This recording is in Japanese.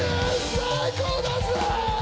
最高だぜ！